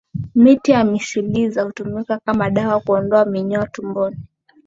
Miti ya misiliza hutumika kama dawa kuondoa minyoo tumboni